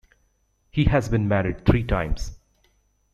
He has been married three times.